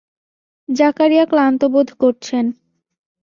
জাকারিয়া ক্লান্ত বোধ করছেন।